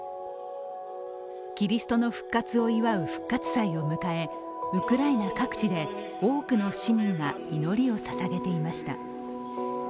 キリストの復活を祝う復活祭を迎え、ウクライナ各地で多くの市民が祈りをささげていました。